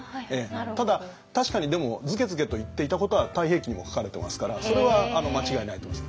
ただ確かにでもズケズケと言っていたことは「太平記」にも書かれてますからそれは間違いないと思います。